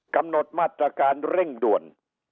กำหนดมาตรการเร่งด่วน